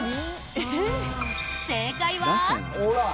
正解は。